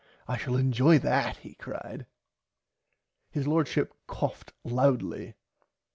I shall enjoy that he cried. His Lordship coughed loudly.